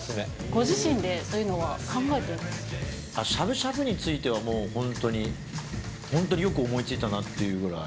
ご自身でそういうのを考えてしゃぶしゃぶについては、もう本当に、本当によく思いついたなっていうぐらい。